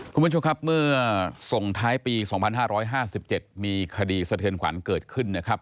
คุณผู้ชมครับเมื่อส่งท้ายปี๒๕๕๗มีคดีสะเทือนขวัญเกิดขึ้นนะครับ